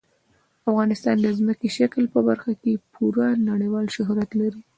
افغانستان د ځمکني شکل په برخه کې پوره نړیوال شهرت لري.